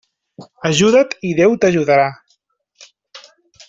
Ajuda't i Déu t'ajudarà.